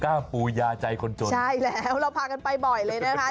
ปูยาใจคนจนใช่แล้วเราพากันไปบ่อยเลยนะคะ